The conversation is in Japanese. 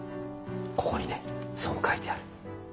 ここにねそう書いてある。